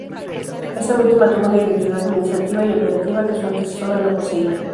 Esta última tuvo una identidad administrativa y operativa que su antecesora no poseía.